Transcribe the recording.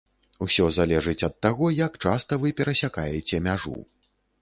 Усё залежыць ад таго, як часта вы перасякаеце мяжу.